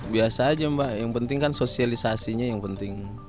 biasa aja mbak yang penting kan sosialisasinya yang penting